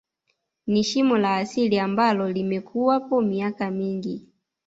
Ni shimo la asili ambalo limekuwapo miaka mingi